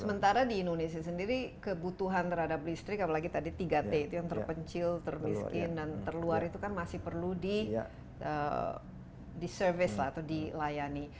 sementara di indonesia sendiri kebutuhan terhadap listrik apalagi tadi tiga t itu yang terpencil termiskin dan terluar itu kan masih perlu di service lah atau dilayani